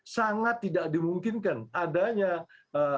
sangat tidak dimungkinkan adanya keputusan dari dewan keamanan pbb